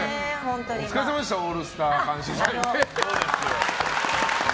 お疲れさまでした「オールスター感謝祭」。